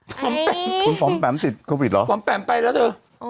ป๊อมแปมคุณป๊อมแปมติดโควิดหรอป๊อมแปมไปแล้วจ้ะอ๋อ